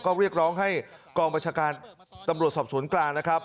ก็เรียกร้องให้กองประชาการตำรวจสอบสวนกลางนะครับ